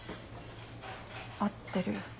合ってる。